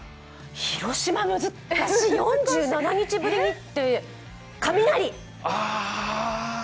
広島難しい、４７日ぶりにって、雷。